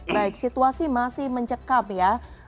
baik situasi masih mencekam ya